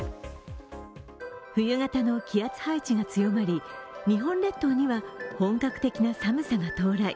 冬型の気圧配置が強まり日本列島には本格的な寒さが到来。